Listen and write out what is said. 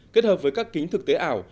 kết hợp với các kính thực tế ảo